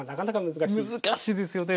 難しいですよね。